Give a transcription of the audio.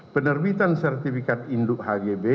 penerbitan sertifikat in look hgb